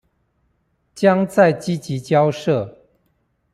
將再積極交涉